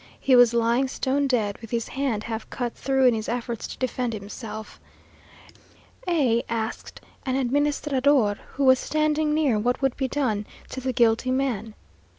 He was lying stone dead, with his hand half cut through in his efforts to defend himself. A asked an administrador, who was standing near, what would be done to the guilty man.